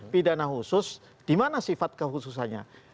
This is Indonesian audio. pidana khusus di mana sifat kehususannya